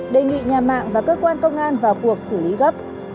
đề nghị nhà mạng và cơ quan công an vào cuộc xử lý gấp